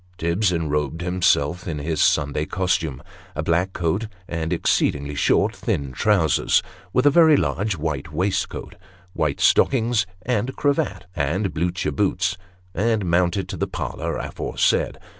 Tibbs enrobed himself in his Sunday costume a black coat, and exceedingly short, thin trousers ; with a very large white waistcoat, white stockings and cravat, and Blucher boots and mounted to the parlour aforesaid.